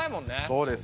そうです。